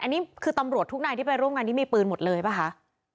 อันนี้คือตำรวจทุกนายที่ไปร่วมงานนี้มีปืนหมดเลยป่ะคะ